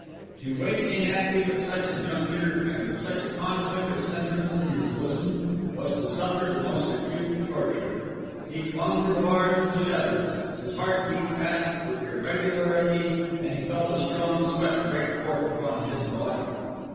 To wait inactive at such a juncture and with such a conflict of sentiments in his bosom was to suffer the most acute torture; he clung to the bars of the shutters, his heart beat fast and with irregularity, and he felt a strong sweat break forth upon his body.